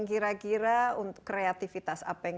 kira kira untuk kreativitas apa yang